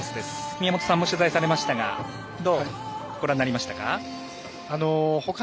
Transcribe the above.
宮本さんも取材されましたがどうご覧になりましたか？